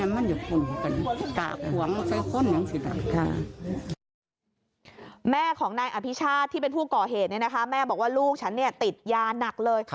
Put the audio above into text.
แม่ของนายอภิชาติที่เป็นผู้ก่อเหตุแม่บอกว่าลูกฉันติดยาหนักเลย